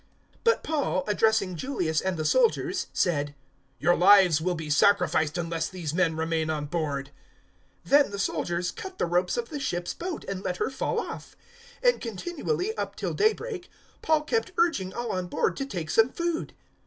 027:031 But Paul, addressing Julius and the soldiers, said, "Your lives will be sacrificed, unless these men remain on board." 027:032 Then the soldiers cut the ropes of the ship's boat and let her fall off. 027:033 And continually, up till daybreak, Paul kept urging all on board to take some food.